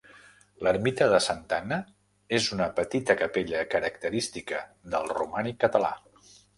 L'ermita de Santa Anna és una petita capella característica del romànic català.